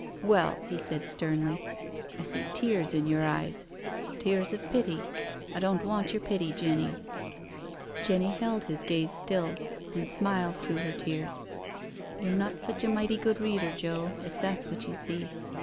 " Well," he said sternly, "I see tears in your eyes —tears of pity— I don't want your pity, Jenny." 310 NO SURRENDER Jenny held his gaze still, and smiled through her tears. " You're not such a mighty good reader^ Joe, if that's what you see.